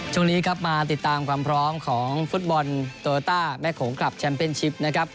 ช่วงนี้ครับมาติดตามความพร้อมของฟุตบอลโตโยต้าแม่โขงคลับแชมเป็นชิปนะครับ